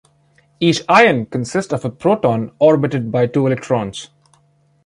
Each ion consists of a proton orbited by two electrons.